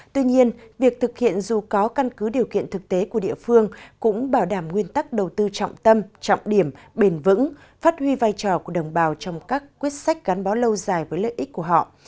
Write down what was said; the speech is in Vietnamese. tuy nhiên việc thực hiện dù có căn cứ điều kiện thực tế của địa phương cũng bảo đảm nguyên tắc đầu tư trọng tâm trọng điểm bền vững phát huy vai trò của đồng bào trong các quyết sách gắn bó lâu dài với lợi ích của họ